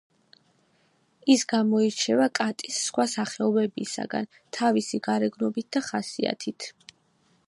ის გამოირჩევა კატის სხვა სახეობებისაგან თავისი გარეგნობით და ხასიათით.